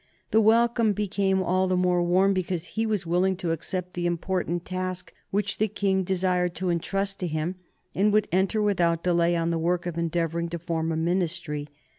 The welcome became all the more warm because he was willing to accept the important task which the King desired to intrust to him, and would enter without delay on the work of endeavoring to form a Ministry.